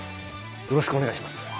よろしくお願いします。